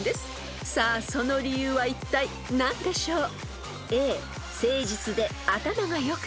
［さあその理由はいったい何でしょう？］